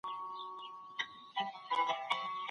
او دده اوښكي لا په شړپ بهيدې